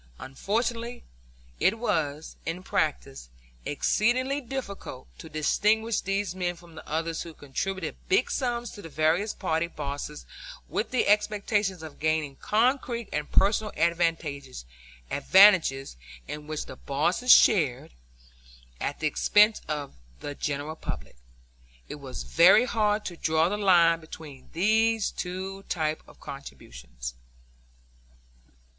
Unfortunately, it was, in practice, exceedingly difficult to distinguish these men from the others who contributed big sums to the various party bosses with the expectation of gaining concrete and personal advantages (in which the bosses shared) at the expense of the general public. It was very hard to draw the line between these two types of contributions.